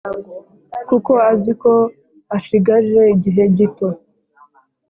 kuko azi ko ashigaje igihe gito